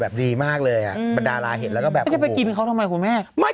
เอาอย่างงี้